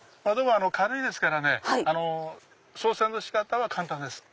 軽いですからね操船のし方は簡単です。